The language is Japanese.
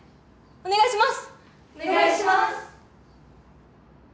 お願いします！